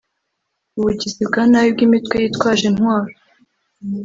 ubugizi bwa nabi bw’imitwe yitwaje intwaro